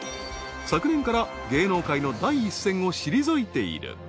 ［昨年から芸能界の第一線を退いている］